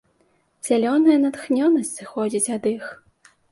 Зялёная натхнёнасць зыходзіць ад іх.